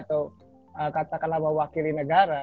atau katakanlah mewakili negara